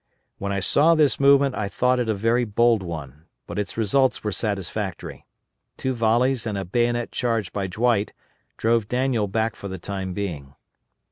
When I saw this movement I thought it a very bold one, but its results were satisfactory. Two volleys and a bayonet charge by Dwight drove Daniel back for the time being.